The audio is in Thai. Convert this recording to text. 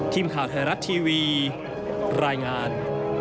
ทีมข่าวไทยรัฐทีวีรายงาน